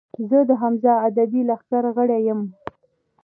زۀ د حمزه ادبي لښکر غړے یم